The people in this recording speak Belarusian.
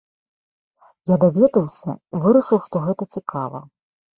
Я даведаўся, вырашыў, што гэта цікава.